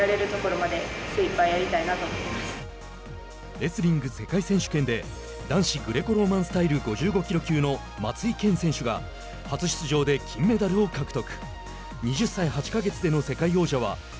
レスリング世界選手権で男子グレコローマンスタイル５５キロ級の松井謙選手が初出場で金メダルを獲得。